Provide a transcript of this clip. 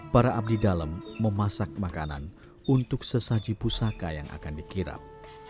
para abdi dalam memasak makanan untuk sesaji pusaka yang akan dikirap